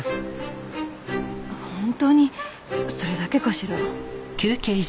本当にそれだけかしら？